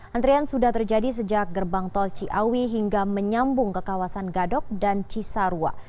antrian sudah terjadi sejak gerbang tol ciawi hingga menyambung ke kawasan gadok dan cisarua